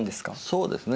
そうですね。